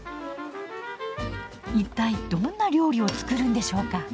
一体どんな料理を作るんでしょうか。